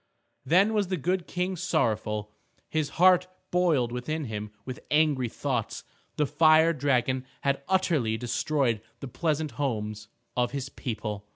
Then was the good King sorrowful. His heart boiled within him with angry thoughts. The fire dragon had utterly destroyed the pleasant homes of his people.